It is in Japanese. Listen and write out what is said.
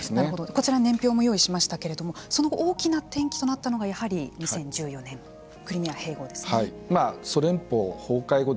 こちらに年表を用意しましたけれどもその後、大きな転機となったのがやはり２０１４年ソ連邦崩壊後